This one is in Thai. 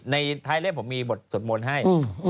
ในท้ายเล่มผมมีบทสวดมนต์ให้